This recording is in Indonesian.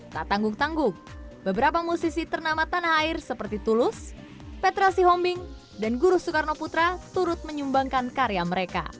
tak tanggung tanggung beberapa musisi ternama tanah air seperti tulus petrasiombing dan guru soekarno putra turut menyumbangkan karya mereka